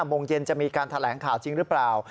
โมงเย็นจะมีการแถลงข่าวจริงหรือเปล่า